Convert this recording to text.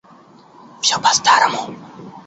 Всё по старому?